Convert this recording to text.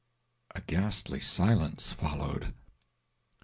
A ghastly silence followed.